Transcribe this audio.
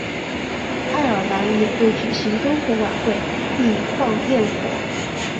爱尔兰也会举行篝火晚会并放焰火。